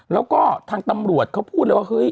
แล้วก็ทางตำรวจเขาพูดเลยว่าเฮ้ย